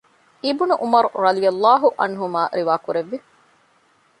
އިބްނު ޢުމަރު ރަޟިއަ ﷲ ޢަންހުމާ ރިވާ ކުރެއްވި